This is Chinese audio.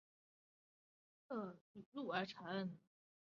温热论据传是叶天士门人顾景文根据其师口授之语录而成。